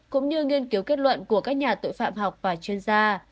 cũng như nghiên cứu kết luận của các nhà tội phạm học và chuyên gia